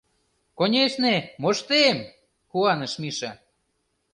— Конешне, моштем! — куаныш Миша.